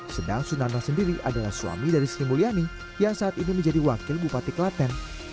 sedang sunarno sendiri adalah suami dari sri mulyani yang saat ini menjadi wakil bupati klaten